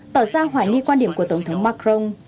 tỏ ra hoài nghi quan điểm của tổng thống macron